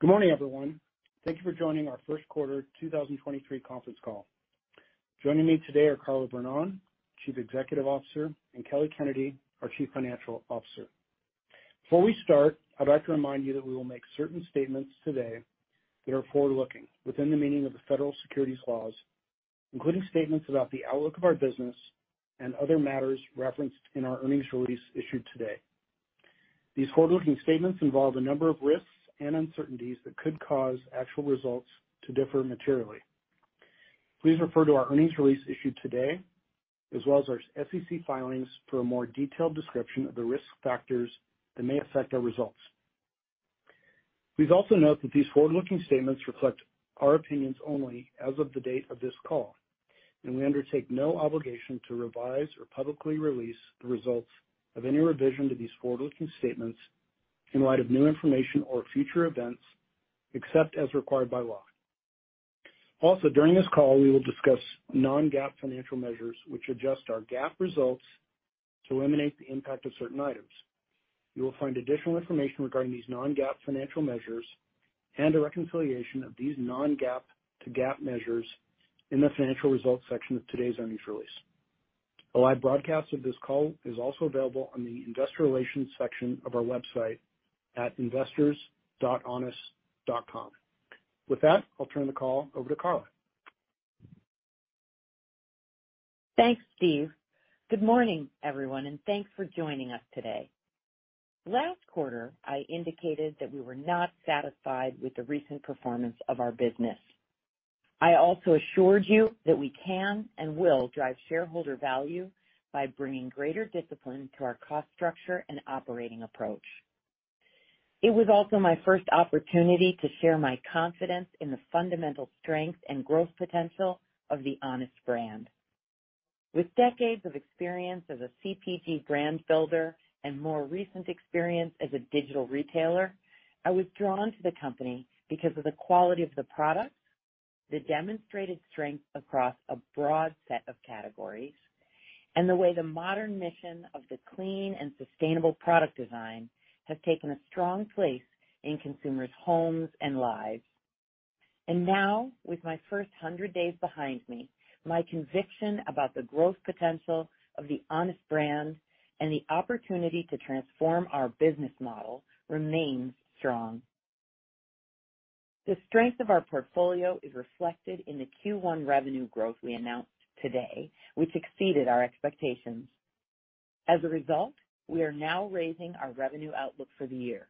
Good morning, everyone. Thank you for joining our first quarter 2023 conference call. Joining me today are Carla Vernón, Chief Executive Officer, and Kelly Kennedy, our Chief Financial Officer. Before we start, I'd like to remind you that we will make certain statements today that are forward-looking within the meaning of the federal securities laws, including statements about the outlook of our business and other matters referenced in our earnings release issued today. These forward-looking statements involve a number of risks and uncertainties that could cause actual results to differ materially. Please refer to our earnings release issued today as well as our SEC filings for a more detailed description of the risk factors that may affect our results. Please also note that these forward-looking statements reflect our opinions only as of the date of this call, and we undertake no obligation to revise or publicly release the results of any revision to these forward-looking statements in light of new information or future events, except as required by law. Also, during this call, we will discuss non-GAAP financial measures which adjust our GAAP results to eliminate the impact of certain items. You will find additional information regarding these non-GAAP financial measures and a reconciliation of these non-GAAP to GAAP measures in the financial results section of today's earnings release. A live broadcast of this call is also available on the investor relations section of our website at investors.honest.com. With that, I'll turn the call over to Carla. Thanks, Steve. Good morning, everyone, and thanks for joining us today. Last quarter, I indicated that we were not satisfied with the recent performance of our business. I also assured you that we can and will drive shareholder value by bringing greater discipline to our cost structure and operating approach. It was also my first opportunity to share my confidence in the fundamental strength and growth potential of The Honest Brand. With decades of experience as a CPG brand builder and more recent experience as a digital retailer, I was drawn to the company because of the quality of the product, the demonstrated strength across a broad set of categories, and the way the modern mission of the clean and sustainable product design has taken a strong place in consumers' homes and lives. Now, with my 100 days behind me, my conviction about the growth potential of The Honest Brand and the opportunity to transform our business model remains strong. The strength of our portfolio is reflected in the first quarter revenue growth we announced today, which exceeded our expectations. As a result, we are now raising our revenue outlook for the year.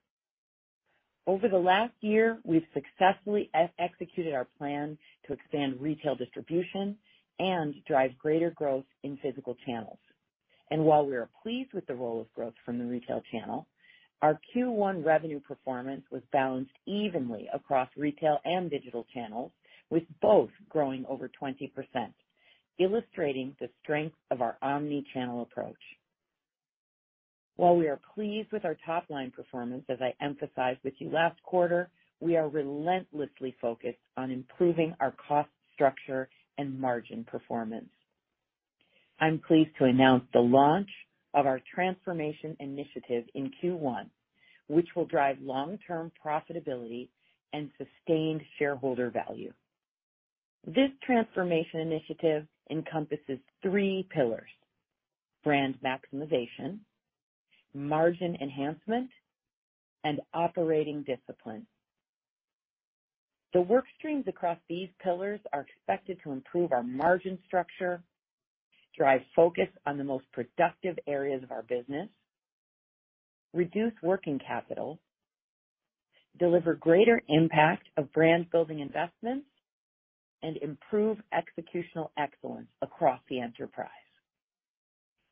Over the last year, we've successfully executed our plan to expand retail distribution and drive greater growth in physical channels. While we are pleased with the role of growth from the retail channel, our first quarter revenue performance was balanced evenly across retail and digital channels, with both growing over 20%, illustrating the strength of our omni-channel approach. While we are pleased with our top line performance, as I emphasized with you last quarter, we are relentlessly focused on improving our cost structure and margin performance. I'm pleased to announce the launch of our transformation initiative in first quarter, which will drive long-term profitability and sustained shareholder value. This transformation initiative encompasses three pillars: brand maximization, margin enhancement, and operating discipline. The work streams across these pillars are expected to improve our margin structure, drive focus on the most productive areas of our business, reduce working capital, deliver greater impact of brand building investments, and improve executional excellence across the enterprise.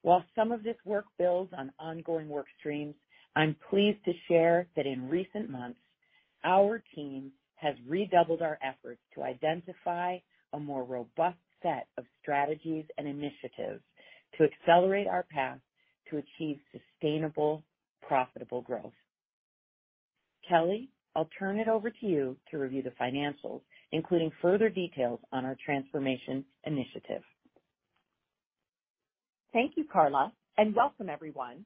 While some of this work builds on ongoing work streams, I'm pleased to share that in recent months, our team has redoubled our efforts to identify a more robust set of strategies and initiatives to accelerate our path to achieve sustainable, profitable growth. Kelly, I'll turn it over to you to review the financials, including further details on our transformation initiative. Thank you, Carla, and welcome, everyone.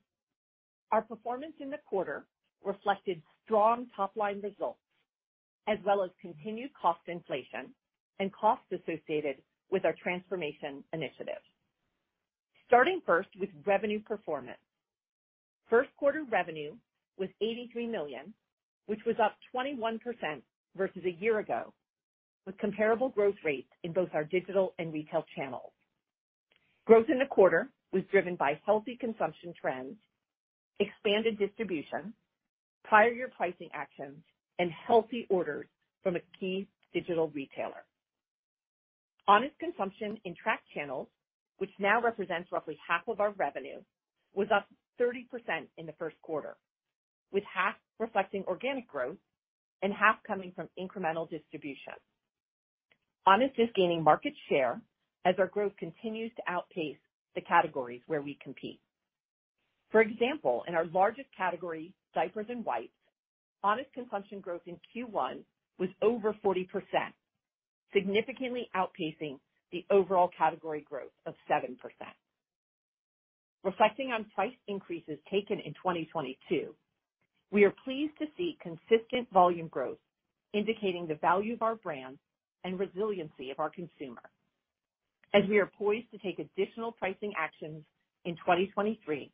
Our performance in the quarter reflected strong top-line results as well as continued cost inflation and costs associated with our transformation initiative. Starting first with revenue performance. first quarter revenue was $83 million, which was up 21% versus a year-ago, with comparable growth rates in both our digital and retail channels. Growth in the quarter was driven by healthy consumption trends, expanded distribution, prior-year pricing actions, and healthy orders from a key digital retailer. Honest consumption in tracked channels, which now represents roughly 1/2 of our revenue, was up 30% in the first quarter, with 1/2 reflecting organic growth and 1/2 coming from incremental distribution. Honest is gaining market share as our growth continues to outpace the categories where we compete. For example, in our largest category, diapers and wipes, Honest consumption growth in first quarter was over 40%, significantly outpacing the overall category growth of 7%. Reflecting on price increases taken in 2022, we are pleased to see consistent volume growth, indicating the value of our brand and resiliency of our consumer. As we are poised to take additional pricing actions in 2023,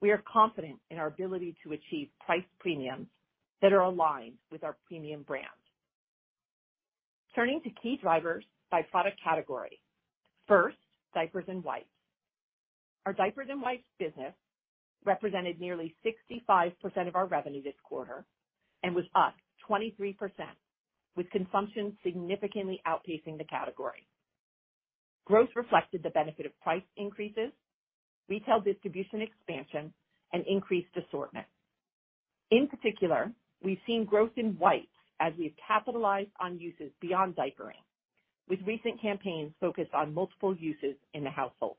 we are confident in our ability to achieve price premiums that are aligned with our premium brand. Turning to key drivers by product category. First, diapers and wipes. Our diapers and wipes business represented nearly 65% of our revenue this quarter and was up 23%, with consumption significantly outpacing the category. Growth reflected the benefit of price increases, retail distribution expansion, and increased assortment. In particular, we've seen growth in wipes as we have capitalized on uses beyond diapering, with recent campaigns focused on multiple uses in the household.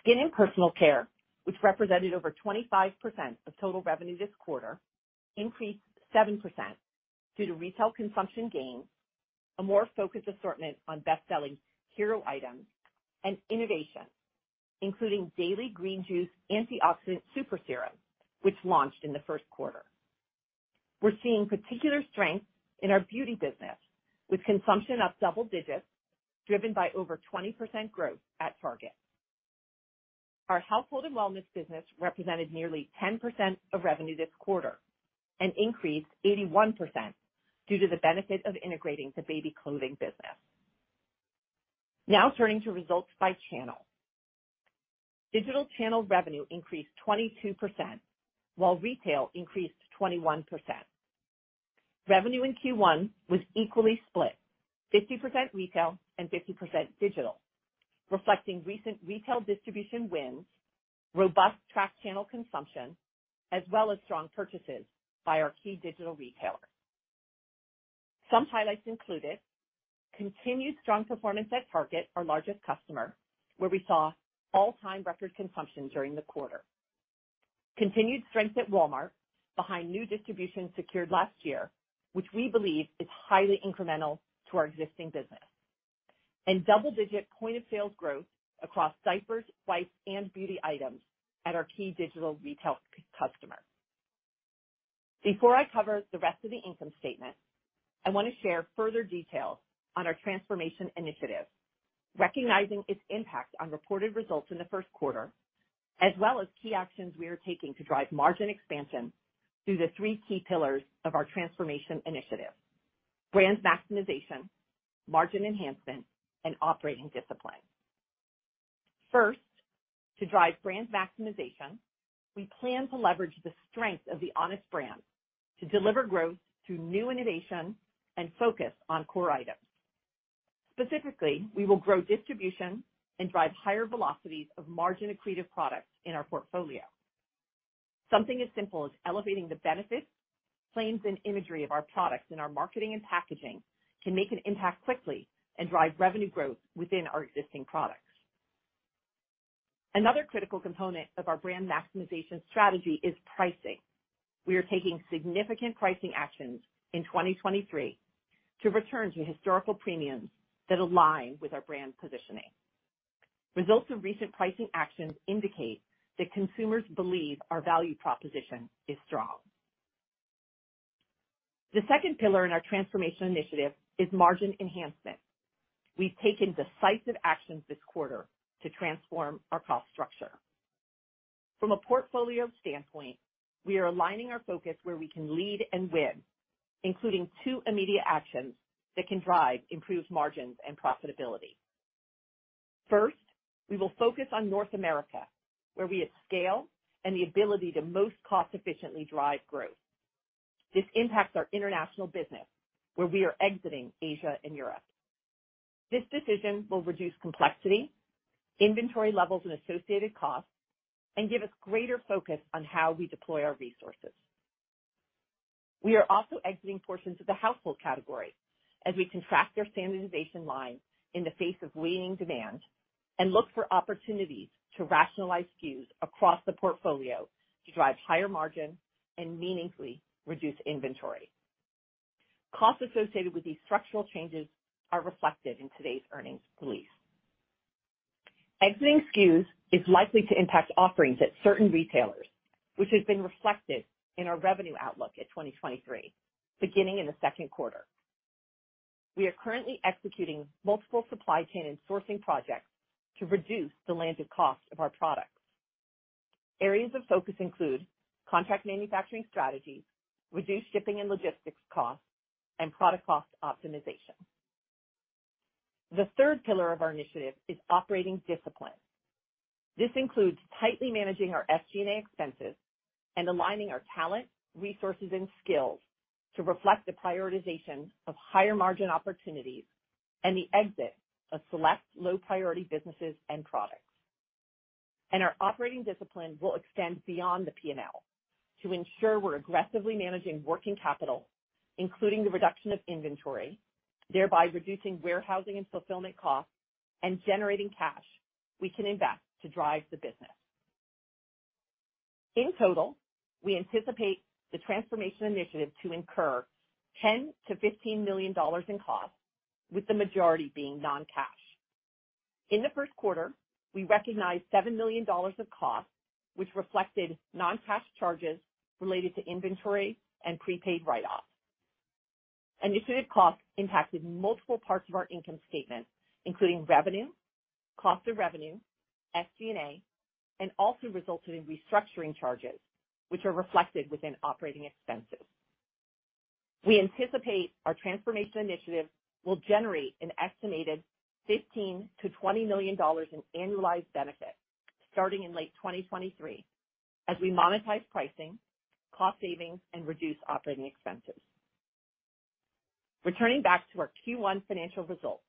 Skin and personal care, which represented over 25% of total revenue this quarter, increased 7% due to retail consumption gains, a more focused assortment on best-selling hero items, and innovation, including Daily Green Juice Antioxidant Super Serum, which launched in the first quarter. We're seeing particular strength in our beauty business, with consumption up double digits, driven by over 20% growth at Target. Our household and wellness business represented nearly 10% of revenue this quarter and increased 81% due to the benefit of integrating the baby clothing business. Turning to results by channel. Digital channel revenue increased 22%, while retail increased 21%. Revenue in first quarter was equally split, 50% retail and 50% digital, reflecting recent retail distribution wins, robust track channel consumption, as well as strong purchases by our key digital retailer. Some highlights included continued strong performance at Target, our largest customer, where we saw all-time record consumption during the quarter. Continued strength at Walmart behind new distribution secured last year, which we believe is highly incremental to our existing business. Double-digit point-of-sale growth across diapers, wipes, and beauty items at our key digital retail customer. Before I cover the rest of the income statement, I wanna share further details on our transformation initiative, recognizing its impact on reported results in the first quarter, as well as key actions we are taking to drive margin expansion through the three key pillars of our transformation initiative, brand maximization, margin enhancement, and operating discipline. First, to drive brand maximization, we plan to leverage the strength of the Honest brand to deliver growth through new innovation and focus on core items. Specifically, we will grow distribution and drive higher velocities of margin-accretive products in our portfolio. Something as simple as elevating the benefits, claims, and imagery of our products in our marketing and packaging can make an impact quickly and drive revenue growth within our existing products. Another critical component of our brand maximization strategy is pricing. We are taking significant pricing actions in 2023 to return to historical premiums that align with our brand positioning. Results of recent pricing actions indicate that consumers believe our value proposition is strong. The second pillar in our transformation initiative is margin enhancement. We've taken decisive actions this quarter to transform our cost structure. From a portfolio standpoint, we are aligning our focus where we can lead and win, including two immediate actions that can drive improved margins and profitability. First, we will focus on North America, where we have scale and the ability to most cost efficiently drive growth. This impacts our international business, where we are exiting Asia and Europe. This decision will reduce complexity, inventory levels and associated costs, and give us greater focus on how we deploy our resources. We are also exiting portions of the household category as we contract our standardization lines in the face of waning demand and look for opportunities to rationalize SKUs across the portfolio to drive higher margin and meaningfully reduce inventory. Costs associated with these structural changes are reflected in today's earnings release. Exiting SKUs is likely to impact offerings at certain retailers, which has been reflected in our revenue outlook at 2023, beginning in the second quarter. We are currently executing multiple supply chain and sourcing projects to reduce the landed cost of our products. Areas of focus include contract manufacturing strategies, reduced shipping and logistics costs, and product cost optimization. The third pillar of our initiative is operating discipline. This includes tightly managing our SG&A expenses and aligning our talent, resources, and skills to reflect the prioritization of higher-margin opportunities and the exit of select low-priority businesses and products. Our operating discipline will extend beyond the P&L to ensure we're aggressively managing working capital, including the reduction of inventory, thereby reducing warehousing and fulfillment costs and generating cash we can invest to drive the business. In total, we anticipate the transformation initiative to incur $10 to 15 million in costs, with the majority being non-cash. In the first quarter, we recognized $7 million of costs, which reflected non-cash charges related to inventory and prepaid write-off. Initiative costs impacted multiple parts of our income statement, including revenue, cost of revenue, SG&A, and also resulted in restructuring charges, which are reflected within operating expenses. We anticipate our transformation initiative will generate an estimated $15 to 20 million in annualized benefits starting in late 2023 as we monetize pricing, cost savings, and reduce operating expenses. Returning back to our first quarter financial results.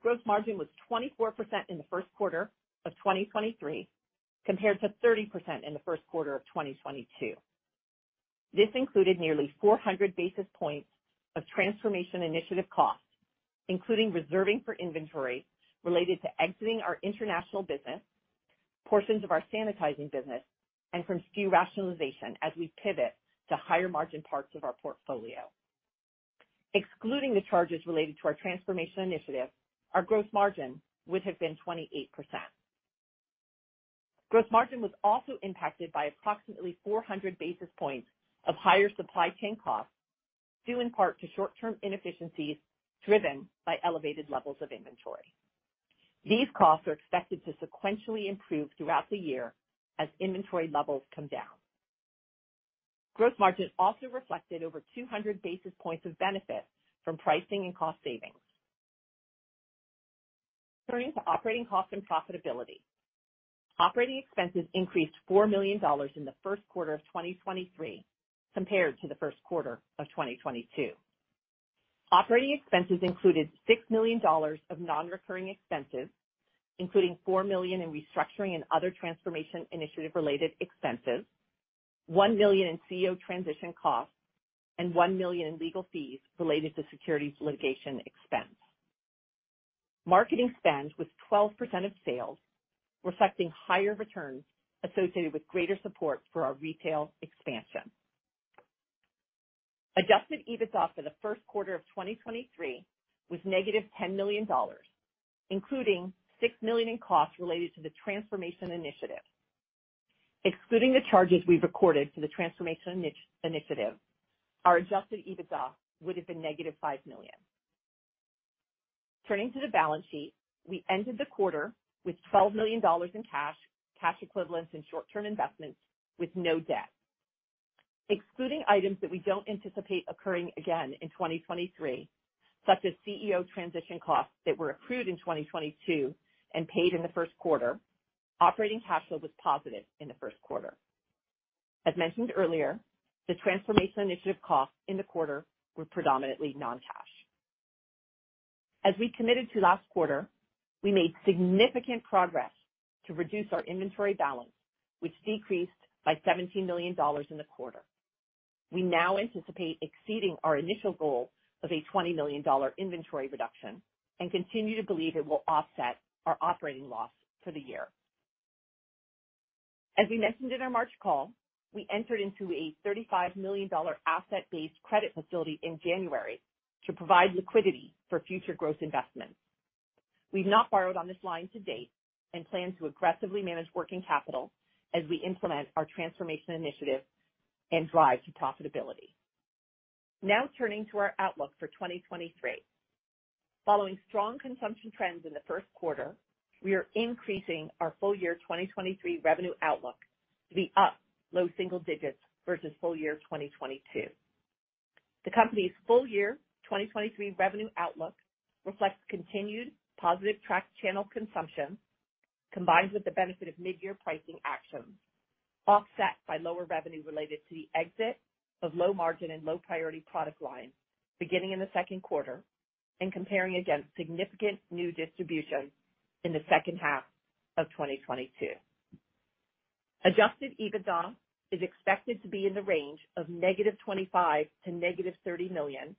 Gross margin was 24% in the first quarter of 2023, compared to 30% in the first quarter of 2022. This included nearly 400 basis points of transformation initiative costs, including reserving for inventory related to exiting our international business, portions of our sanitizing business, and from SKU rationalization as we pivot to higher-margin parts of our portfolio. Excluding the charges related to our transformation initiative, our gross margin would have been 28%. Gross margin was also impacted by approximately 400 basis points of higher supply chain costs, due in part to short-term inefficiencies driven by elevated levels of inventory. These costs are expected to sequentially improve throughout the year as inventory levels come down. Gross margin also reflected over 200 basis points of benefit from pricing and cost savings. Turning to operating costs and profitability. Operating expenses increased $4 million in the first quarter of 2023 compared to the first quarter of 2022. Operating expenses included $6 million of non-recurring expenses, including $4 million in restructuring and other transformation initiative-related expenses, $1 million in CEO transition costs, and $1 million in legal fees related to securities litigation expense. Marketing spend was 12% of sales, reflecting higher returns associated with greater support for our retail expansion. Adjusted EBITDA for the first quarter of 2023 was negative $10 million, including $6 million in costs related to the transformation initiative. Excluding the charges we recorded for the transformation initiative, our adjusted EBITDA would have been negative $5 million. Turning to the balance sheet. We ended the quarter with $12 million in cash equivalents and short-term investments with no debt. Excluding items that we don't anticipate occurring again in 2023, such as CEO transition costs that were accrued in 2022 and paid in the first quarter, operating cash flow was positive in the first quarter. As mentioned earlier, the transformation initiative costs in the quarter were predominantly non-cash. As we committed to last quarter, we made significant progress to reduce our inventory balance, which decreased by $17 million in the quarter. We now anticipate exceeding our initial goal of a $20 million inventory reduction and continue to believe it will offset our operating loss for the year. As we mentioned in our March call, we entered into a $35 million asset-based credit facility in January to provide liquidity for future growth investments. We've not borrowed on this line to date and plan to aggressively manage working capital as we implement our transformation initiative and drive to profitability. Turning to our outlook for 2023. Following strong consumption trends in the first quarter, we are increasing our full year 2023 revenue outlook to be up low single digits versus full year 2022. The company's full year 2023 revenue outlook reflects continued positive track channel consumption, combined with the benefit of mid-year pricing actions, offset by lower revenue related to the exit of low margin and low priority product lines beginning in the second quarter and comparing against significant new distribution in the second half of 2022. Adjusted EBITDA is expected to be in the range of -$25 to -30 million,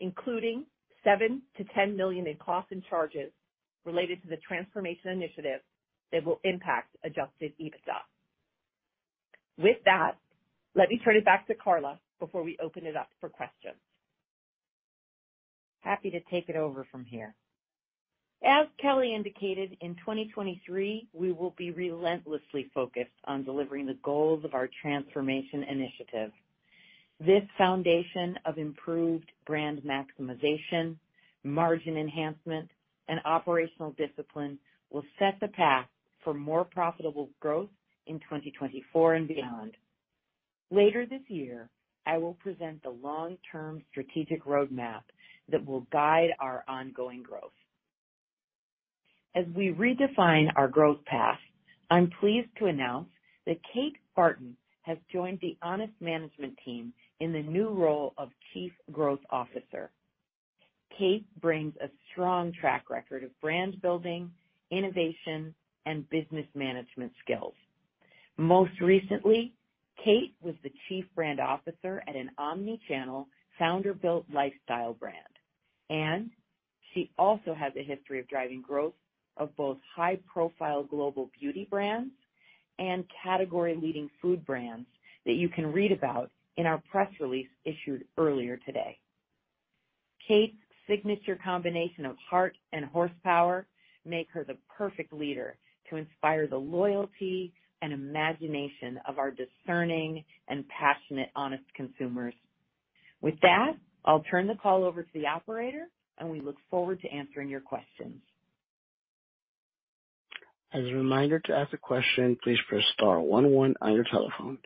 including $7 to 10 million in costs and charges related to the transformation initiative that will impact adjusted EBITDA. With that, let me turn it back to Carla before we open it up for questions. Happy to take it over from here. As Kelly indicated, in 2023, we will be relentlessly focused on delivering the goals of our transformation initiative. This foundation of improved brand maximization, margin enhancement, and operational discipline will set the path for more profitable growth in 2024 and beyond. Later this year, I will present the long-term strategic roadmap that will guide our ongoing growth. We redefine our growth path, I'm pleased to announce that Kate Barton has joined the Honest management team in the new role of Chief Growth Officer. Kate brings a strong track record of brand building, innovation, and business management skills. Most recently, Kate was the Chief Brand Officer at an omni-channel founder-built lifestyle brand, and she also has a history of driving growth of both high-profile global beauty brands and category-leading food brands that you can read about in our press release issued earlier today. Kate's signature combination of heart and horsepower make her the perfect leader to inspire the loyalty and imagination of our discerning and passionate Honest consumers. With that, I'll turn the call over to the operator, and we look forward to answering your questions. As a reminder, to ask a question, please press star one, one on your telephone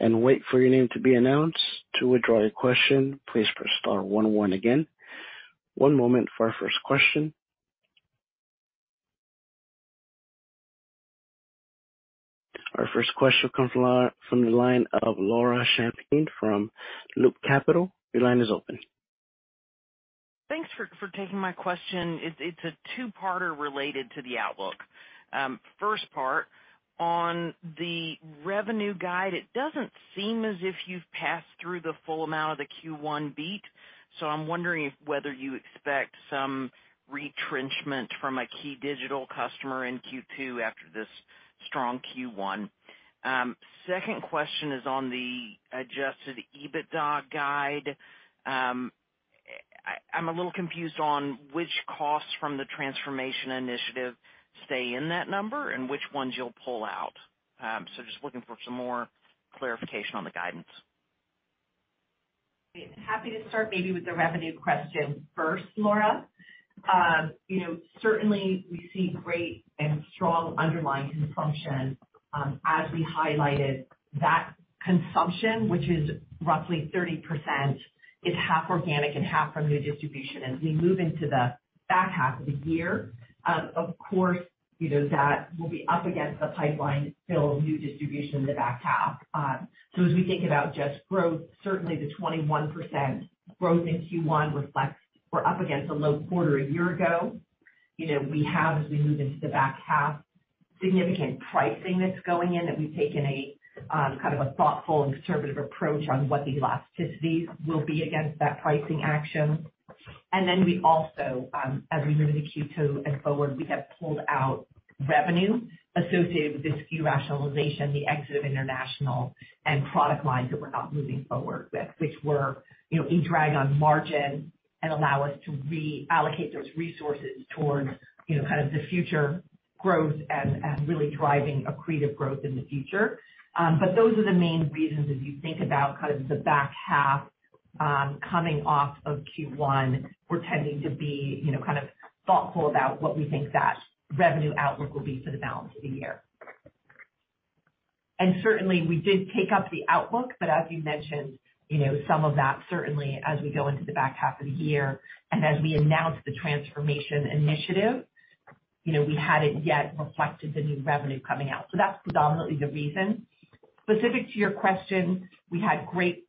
and wait for your name to be announced. To withdraw your question, please press star one, one again. One moment for our first question. Our first question comes from the line of Laura Champine from Loop Capital. Your line is open. Thanks for taking my question. It's a two-parter related to the outlook. First part, on the revenue guide, it doesn't seem as if you've passed through the full amount of the first quarter beat. I'm wondering if whether you expect some retrenchment from a key digital customer in second quarter after this strong first quarter. Second question is on the adjusted EBITDA guide. I'm a little confused on which costs from the transformation initiative stay in that number and which ones you'll pull out. Just looking for some more clarification on the guidance. Happy to start maybe with the revenue question first, Laura. You know, certainly we see great and strong underlying consumption, as we highlighted that consumption, which is roughly 30%, is half organic and half from new distribution. As we move into the back half of the year, of course, you know, that will be up against the pipeline to fill new distribution in the back half. As we think about just growth, certainly the 21% growth in first quarter reflects we're up against a low quarter a year ago. You know, we have, as we move into the back half, significant pricing that's going in that we've taken a kind of a thoughtful and conservative approach on what the elasticities will be against that pricing action. We also, as we move into second quarter and forward, we have pulled out revenue associated with the SKU rationalization, the exit of international and product lines that we're not moving forward with, which were, you know, a drag on margin and allow us to reallocate those resources towards, you know, kind of the future growth and really driving accretive growth in the future. Those are the main reasons, as you think about kind of the back half, coming off of first quarter, we're tending to be, you know, kind of thoughtful about what we think that revenue outlook will be for the balance of the year. Certainly we did take up the outlook, but as you mentioned, some of that certainly as we go into the back half of the year, and as we announce the transformation initiative, we hadn't yet reflected the new revenue coming out. That's predominantly the reason. Specific to your question, we had great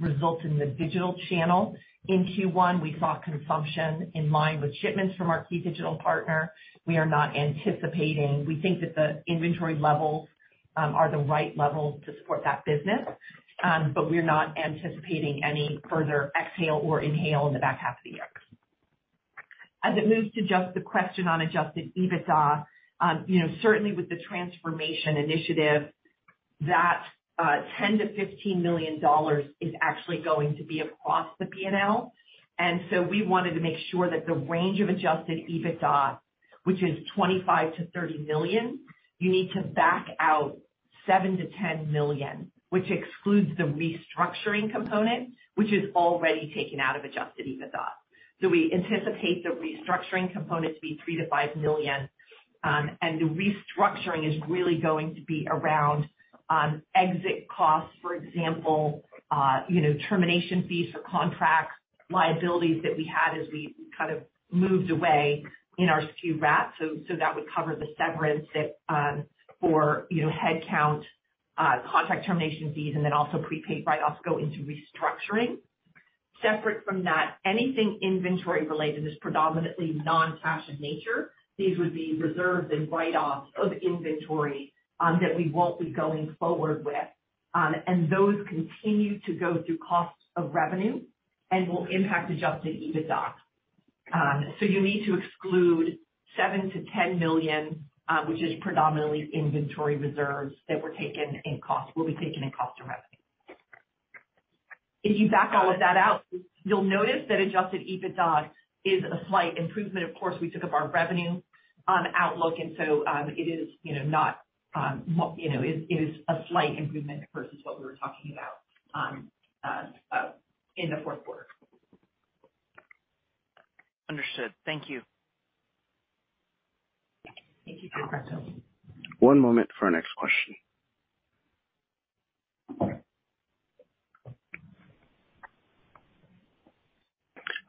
results in the digital channel. In first quarter, we saw consumption in line with shipments from our key digital partner. We think that the inventory levels are the right levels to support that business. We're not anticipating any further exhale or inhale in the back half of the year. As it moves to just the question on adjusted EBITDA, you know, certainly with the transformation initiative, that $10 to 15 million is actually going to be across the P&L. We wanted to make sure that the range of adjusted EBITDA, which is $25 to 30 million, you need to back out $7 to 10 million, which excludes the restructuring component, which is already taken out of adjusted EBITDA. We anticipate the restructuring component to be $3 to 5 million. The restructuring is really going to be around exit costs, for example, you know, termination fees for contracts, liabilities that we had as we kind of moved away in our SKU rat. That would cover the severance that, for, you know, headcount, contract termination fees and then also prepaid write-offs go into restructuring. Separate from that, anything inventory related is predominantly non-cash in nature. These would be reserves and write-offs of inventory that we won't be going forward with. Those continue to go through costs of revenue and will impact adjusted EBITDA. You need to exclude $7 to 10 million, which is predominantly inventory reserves that will be taken in cost of revenue. If you back all of that out, you'll notice that adjusted EBITDA is a slight improvement. Of course, we took up our revenue outlook, it is, you know, not, you know, it is a slight improvement versus what we were talking about in the fourth quarter. Understood. Thank you. Thank you. One moment for our next question.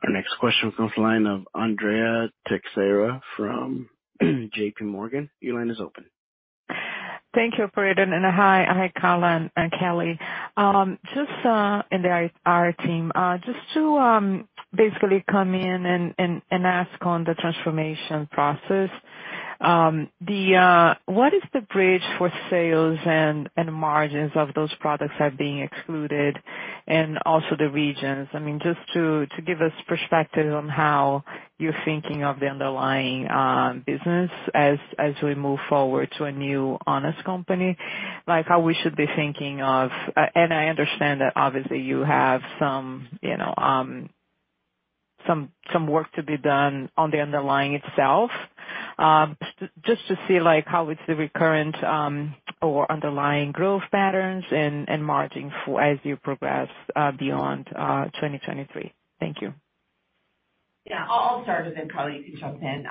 Our next question comes line of Andrea Teixeira from JPMorgan. Your line is open. Thank you, operator. Hi. Hi, Carla and Kelly. The IR team just to basically come in and ask on the transformation process. What is the bridge for sales and margins of those products have been excluded and also the regions? I mean, just to give us perspective on how you're thinking of the underlying business as we move forward to a new Honest Company, like how we should be thinking of. I understand that obviously you have some, you know, some work to be done on the underlying itself. Just to see, like how it's the recurrent or underlying growth patterns and margin for as you progress beyond 2023. Thank you. Yeah. I'll start and then Carla, you can jump in.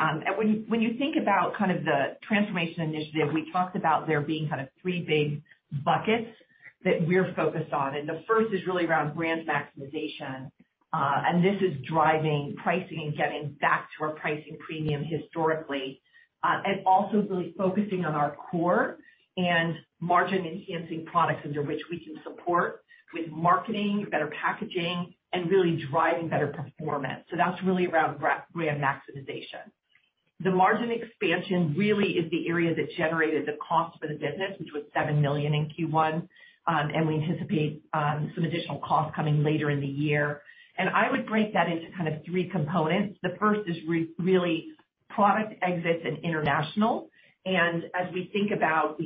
When you think about kind of the transformation initiative, we talked about there being kind of three big buckets that we're focused on, the first is really around brand maximization. This is driving pricing and getting back to our pricing premium historically. Also really focusing on our core and margin-enhancing products under which we can support with marketing, better packaging, and really driving better performance. That's really around brand maximization. The margin expansion really is the area that generated the cost for the business, which was $7 million in first quarter. We anticipate some additional costs coming later in the year. I would break that into kind of three components. The first is really product exits and international. As we think about,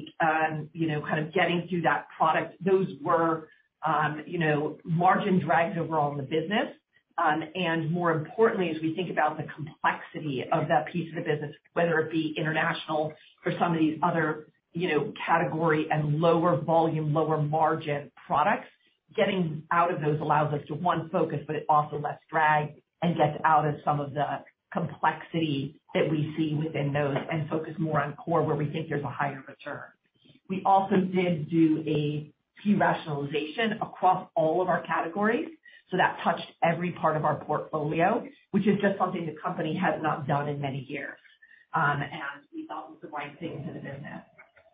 you know, kind of getting through that product, those were, you know, margin drags overall in the business. More importantly, as we think about the complexity of that piece of the business, whether it be international or some of these other, you know, category and lower volume, lower margin products, getting out of those allows us to, one, focus, but it also less drag and gets out of some of the complexity that we see within those and focus more on core, where we think there's a higher return. We also did do a fee rationalization across all of our categories, so that touched every part of our portfolio, which is just something the company has not done in many years, and we thought was the right thing to the business.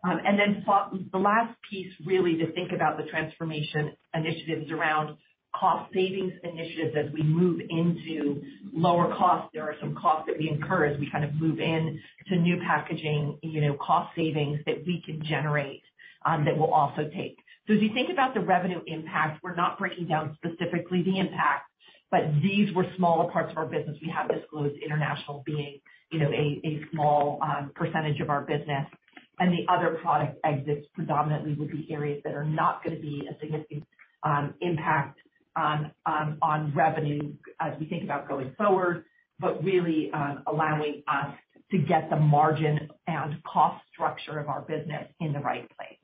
The last piece really to think about the transformation initiatives around cost savings initiatives. As we move into lower costs, there are some costs that we incur as we kind of move in to new packaging, you know, cost savings that we can generate that we'll also take. As you think about the revenue impact, we're not breaking down specifically the impact, but these were smaller parts of our business. We have disclosed international being, you know, a small percentage of our business. The other product exits predominantly would be areas that are not gonna be a significant impact on revenue as we think about going forward. Really, allowing us to get the margin and cost structure of our business in the right place.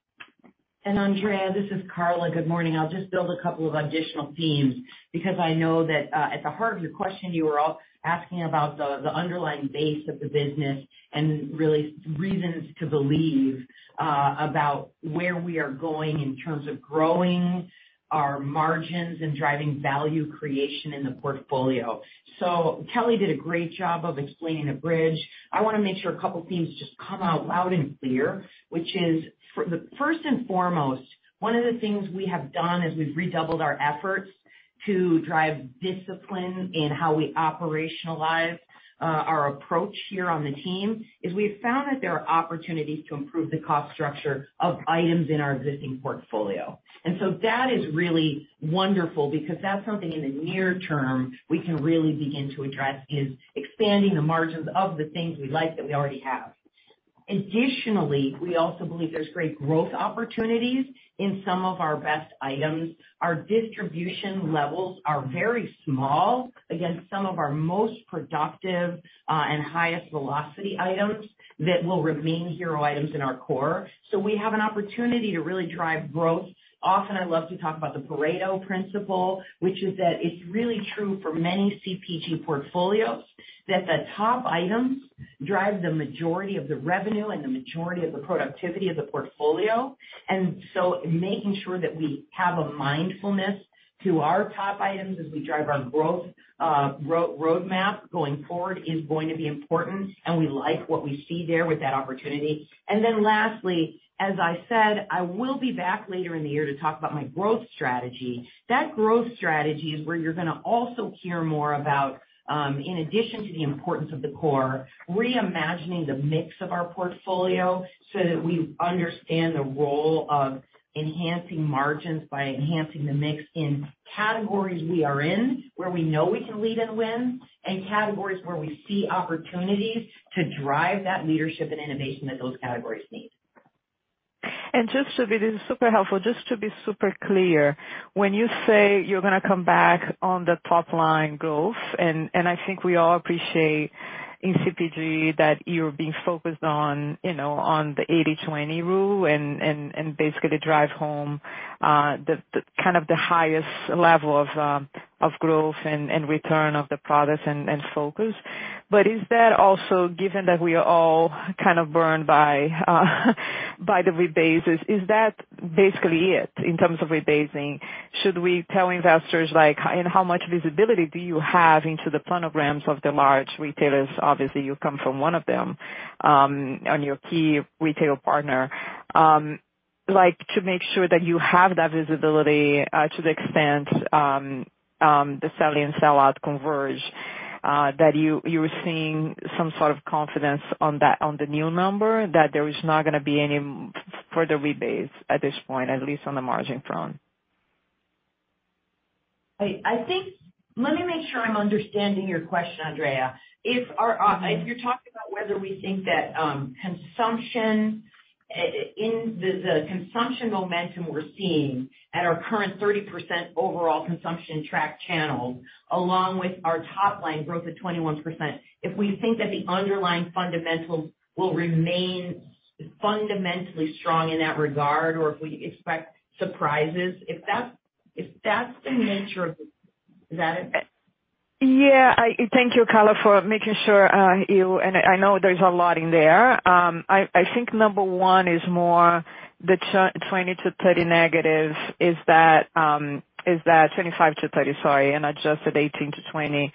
Andrea, this is Carla. Good morning. I'll just build a couple of additional themes because I know that, at the heart of your question, you were asking about the underlying base of the business and really reasons to believe about where we are going in terms of growing our margins and driving value creation in the portfolio. Kelly did a great job of explaining the bridge. I wanna make sure a couple things just come out loud and clear, which is first and foremost, one of the things we have done is we've redoubled our efforts to drive discipline in how we operationalize our approach here on the team, is we've found that there are opportunities to improve the cost structure of items in our existing portfolio. That is really wonderful because that's something in the near term we can really begin to address, is expanding the margins of the things we like that we already have. Additionally, we also believe there's great growth opportunities in some of our best items. Our distribution levels are very small against some of our most productive, and highest velocity items that will remain hero items in our core. We have an opportunity to really drive growth. Often, I love to talk about the Pareto principle, which is that it's really true for many CPG portfolios, that the top items drive the majority of the revenue and the majority of the productivity of the portfolio. Making sure that we have a mindfulness to our top items as we drive our growth roadmap going forward is going to be important, and we like what we see there with that opportunity. Lastly, as I said, I will be back later in the year to talk about my growth strategy. That growth strategy is where you're gonna also hear more about, in addition to the importance of the core, reimagining the mix of our portfolio so that we understand the role of enhancing margins by enhancing the mix in categories we are in, where we know we can lead and win, and categories where we see opportunities to drive that leadership and innovation that those categories need. Just to be, this is super helpful, just to be super clear, when you say you're gonna come back on the top line growth, and I think we all appreciate in CPG that you're being focused on, you know, on the 80/20 rule and basically to drive home the kind of the highest level of growth and return of the products and focus. Is that also, given that we are all kind of burned by the rebases, is that basically it, in terms of rebasing? Should we tell investors, like, how and how much visibility do you have into the planograms of the large retailers? Obviously, you come from one of them, on your key retail partner. Like to make sure that you have that visibility, to the extent, the sell and sell out converge, that you're seeing some sort of confidence on that, on the new number, that there is not gonna be any further rebates at this point, at least on the margin front. I think, let me make sure I'm understanding your question, Andrea. If our, if you're talking about whether we think that consumption in the consumption momentum we're seeing at our current 30% overall consumption track channel, along with our top line growth of 21%, if we think that the underlying fundamentals will remain fundamentally strong in that regard, or if we expect surprises, if that's the nature of the Is that it? Yeah. Thank you, Carla, for making sure, you. I know there's a lot in there. I think number one is more the 20% to 30% negative, is that, is that 25% to 30%, sorry, and adjusted 18% to 20%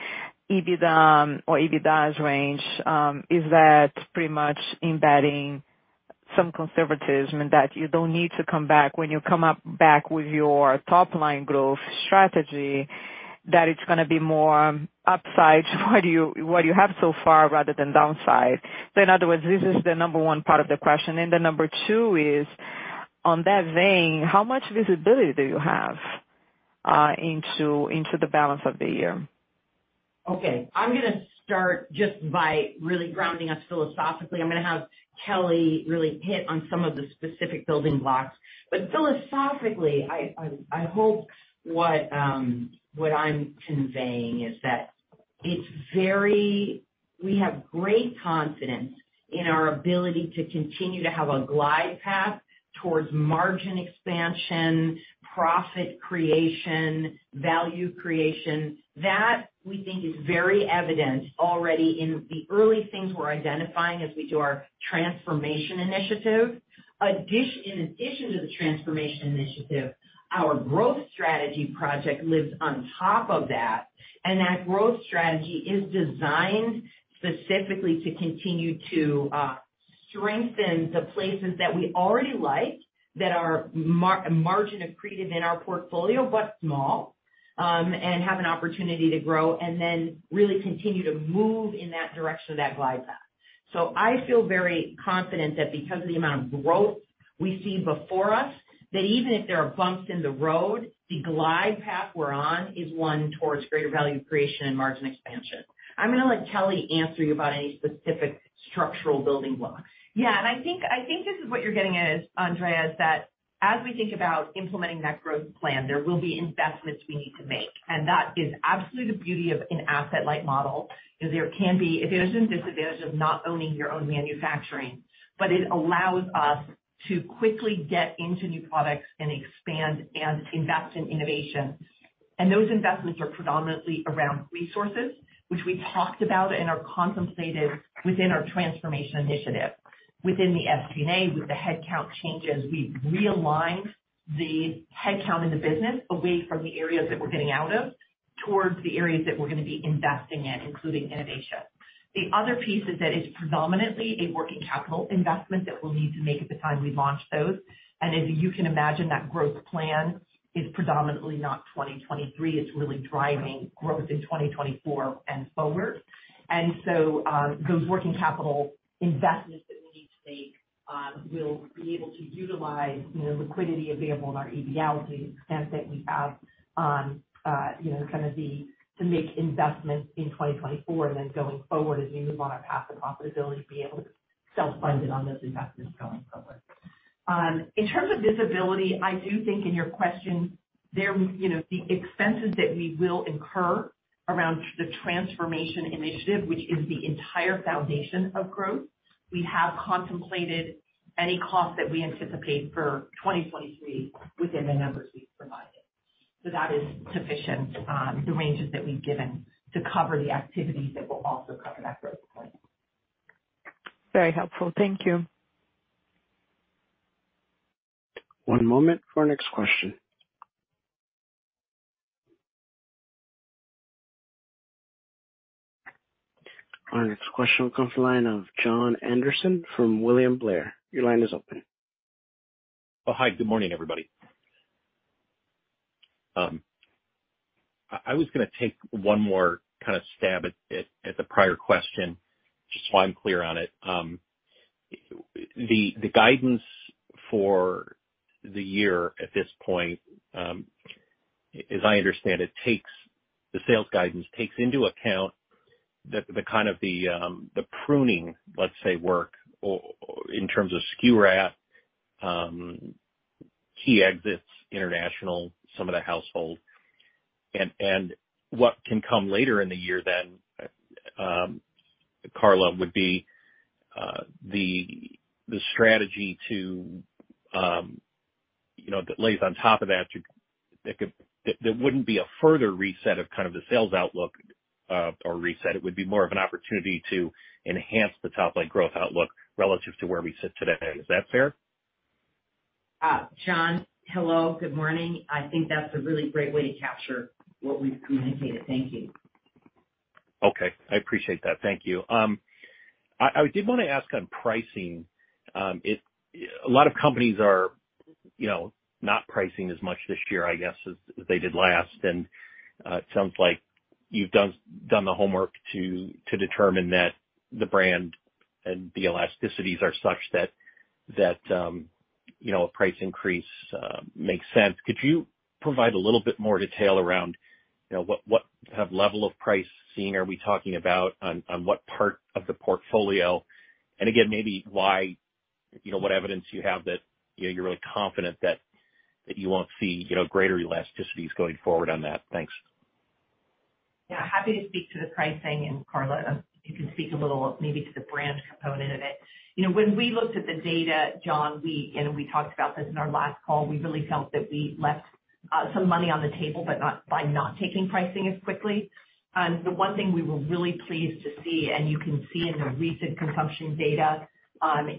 EBITDA or EBITDAS range, is that pretty much embedding some conservatism and that you don't need to come back when you come up back with your top line growth strategy, that it's gonna be more upside to what you have so far rather than downside. In other words, this is the number one part of the question. Number two is, on that vein, how much visibility do you have into the balance of the year? Okay, I'm gonna start just by really grounding us philosophically. I'm gonna have Kelly really hit on some of the specific building blocks. Philosophically, I hope what I'm conveying is that we have great confidence in our ability to continue to have a glide path towards margin expansion, profit creation, value creation. That, we think, is very evident already in the early things we're identifying as we do our transformation initiative. In addition to the transformation initiative, our growth strategy project lives on top of that. That growth strategy is designed specifically to continue to strengthen the places that we already like, that are margin accretive in our portfolio, but small, and have an opportunity to grow, and then really continue to move in that direction of that glide path. I feel very confident that because of the amount of growth we see before us, that even if there are bumps in the road, the glide path we're on is one towards greater value creation and margin expansion. I'm gonna let Kelly answer you about any specific structural building blocks. Yeah. I think this is what you're getting at is, Andrea, is that as we think about implementing that growth plan, there will be investments we need to make. That is absolutely the beauty of an asset-light model, is there can be advantages and disadvantages of not owning your own manufacturing. It allows us to quickly get into new products and expand and invest in innovation. Those investments are predominantly around resources, which we talked about and are contemplated within our transformation initiative. Within the FP&A, with the headcount changes, we've realigned the headcount in the business away from the areas that we're getting out of towards the areas that we're gonna be investing in, including innovation. The other piece is that it's predominantly a working capital investment that we'll need to make at the time we launch those. As you can imagine, that growth plan is predominantly not 2023. It's really driving growth in 2024 and forward. Those working capital investments that we need to make, we'll be able to utilize, you know, liquidity available in our ABL to the extent that we have to make investments in 2024 and then going forward as we move on our path to profitability to be able to self-fund it on those investments going forward. In terms of visibility, I do think in your question there, you know, the expenses that we will incur around the transformation initiative, which is the entire foundation of growth, we have contemplated any cost that we anticipate for 2023 within the numbers we've provided. That is sufficient, the ranges that we've given to cover the activity that will also cover that growth plan. Very helpful. Thank you. One moment for our next question. Our next question comes from the line of Jon Andersen from William Blair. Your line is open. Oh, hi. Good morning, everybody. I was gonna take one more kind of stab at the prior question just so I'm clear on it. The guidance for the year at this point, as I understand it, the sales guidance takes into account the kind of the pruning, let's say, work or in terms of SKU key exits, international, some of the household. And what can come later in the year then, Carla, would be the strategy to, you know, that lays on top of that to that could there wouldn't be a further reset of kind of the sales outlook or reset. It would be more of an opportunity to enhance the top-line growth outlook relative to where we sit today. Is that fair? Jon, hello. Good morning. I think that's a really great way to capture what we've communicated. Thank you. Okay. I appreciate that. Thank you. I did wanna ask on pricing. A lot of companies are, you know, not pricing as much this year, I guess, as they did last. It sounds like you've done the homework to determine that the brand and the elasticities are such that, you know, a price increase makes sense. Could you provide a little bit more detail around, you know, what kind of level of price seeing are we talking about on what part of the portfolio? Again, maybe why, you know, what evidence you have that, you're really confident that you won't see, you know, greater elasticities going forward on that. Thanks. Yeah. Happy to speak to the pricing. Carla, you can speak a little maybe to the brand component of it. You know, when we looked at the data, Jon, we talked about this in our last call. We really felt that we left some money on the table, but not, by not taking pricing as quickly. The one thing we were really pleased to see, and you can see in the recent consumption data,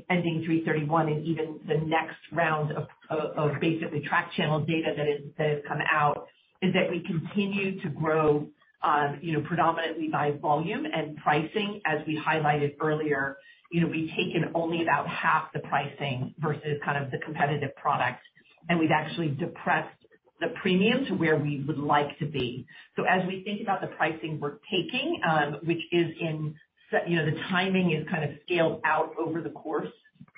ending 31 March 2023 and even the next round of basically track channel data that has come out, is that we continue to grow, you know, predominantly by volume. Pricing, as we highlighted earlier, you know, we've taken only about 1/2 the pricing versus kind of the competitive product. We've actually depressed the premium to where we would like to be. As we think about the pricing we're taking, you know, the timing is kind of scaled out over the course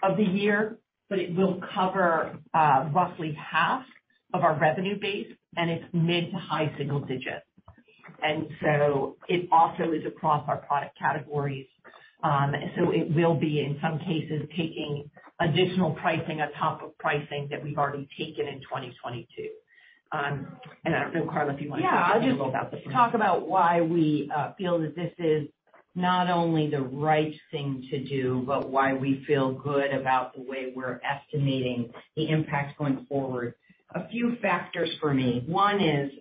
of the year, but it will cover, roughly 1/2 of our revenue base and it's mid- to high single-digit percent. It also is across our product categories. It will be in some cases, taking additional pricing on top of pricing that we've already taken in 2022. I don't know, Carla, if you wanna talk a little about. Yeah... I'll just talk about why we feel that this is not only the right thing to do, but why we feel good about the way we're estimating the impact going forward. A few factors for me. One is,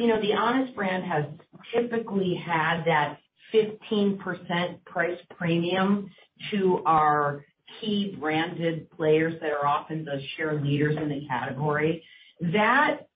you know, the Honest brand has typically had that 15% price premium to our key branded players that are often the share leaders in the category. That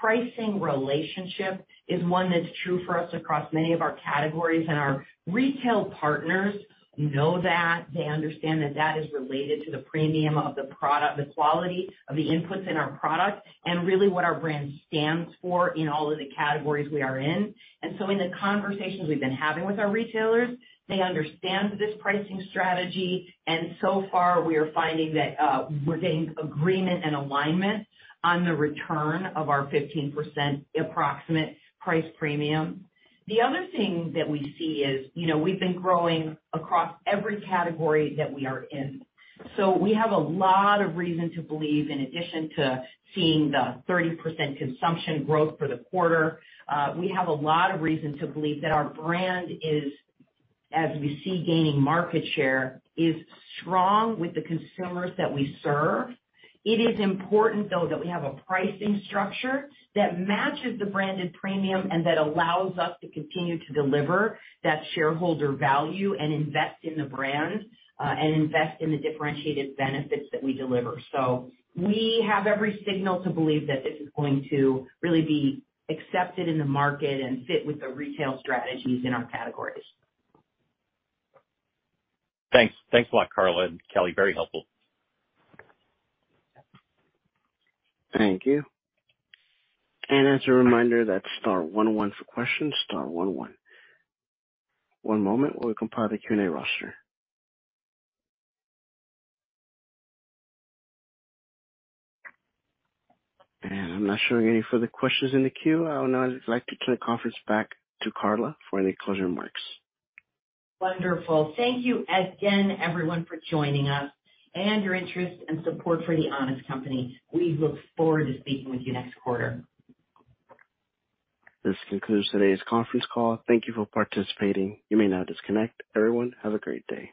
pricing relationship is one that's true for us across many of our categories. Our retail partners know that. They understand that that is related to the premium of the product, the quality of the inputs in our product, and really what our brand stands for in all of the categories we are in. In the conversations we've been having with our retailers, they understand this pricing strategy, and so far we are finding that we're seeing agreement and alignment on the return of our 15% approximate price premium. The other thing that we see is, you know, we've been growing across every category that we are in. We have a lot of reason to believe in addition to seeing the 30% consumption growth for the quarter. We have a lot of reason to believe that our brand is, as we see gaining market share, is strong with the consumers that we serve. It is important though, that we have a pricing structure that matches the branded premium and that allows us to continue to deliver that shareholder value and invest in the brand, and invest in the differentiated benefits that we deliver. We have every signal to believe that this is going to really be accepted in the market and fit with the retail strategies in our categories. Thanks. Thanks a lot, Carla and Kelly. Very helpful. Thank you. As a reminder, that's star one, one for questions, star one, one. One moment while we compile the Q&A roster. I'm not showing any further questions in the queue. I would now like to turn the conference back to Carla for any closing remarks. Wonderful. Thank you again everyone for joining us and your interest and support for The Honest Company. We look forward to speaking with you next quarter. This concludes today's conference call. Thank you for participating. You may now disconnect. Everyone, have a great day.